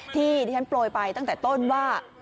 ที่ที่ฉันโปรยไปตั้งแต่ต้นว่า